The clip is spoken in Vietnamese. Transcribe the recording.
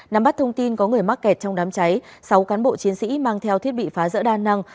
nắm bắt thông tin có người mắc kẹt trong đám cháy sáu cán bộ chiến sĩ mang theo thiết bị phá rỡ đa năng